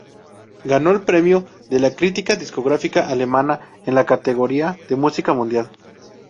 Ganó el Premio de la crítica discográfica alemana en la categoría de Música Mundial.